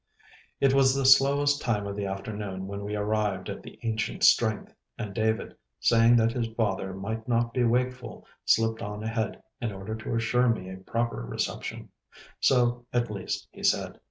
It was the slowest time of the afternoon when we arrived at the ancient strength, and David, saying that his father might not be wakeful, slipped on ahead, in order to assure me a proper reception—so, at least, he said.